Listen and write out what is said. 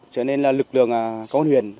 cho nên là lực lượng công an huyền